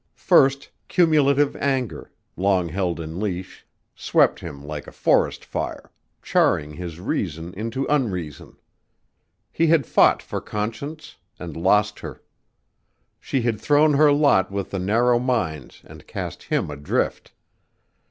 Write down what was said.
First cumulative anger, long held in leash, swept him like a forest fire, charring his reason into unreason. He had fought for Conscience and lost her. She had thrown her lot with the narrow minds and cast him adrift.